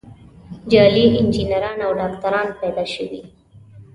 جعلي انجینران او ډاکتران پیدا شوي.